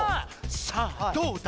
さあどうだ？